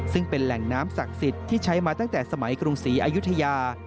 ซึ่งเป็นแหล่งน้ำศักดิ์สิทธิ์ที่ใช้มาตั้งแต่สมัยกรุงศรีอายุทยา